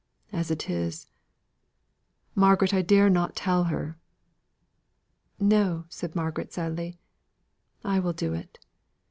As it is Margaret, I dare not tell her!" "No," said Margaret, sadly, "I will do it.